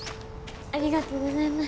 ありがとうございます。